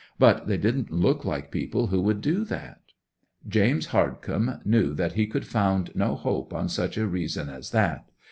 "But they didn't look like people who would do that." 'James Hardcome knew that he could found no hope on such a reason as that.